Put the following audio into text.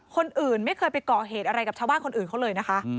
คนอื่นไม่เคยไปก่อเหตุอะไรกับชาวบ้านคนอื่นเขาเลยนะคะ